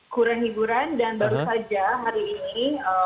kurang hiburan dan baru saja hari ini